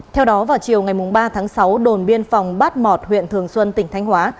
theo đó vào chiều ngày ba tháng sáu đồn biên phòng bát mọt huyện thường xuân tỉnh thanh hóa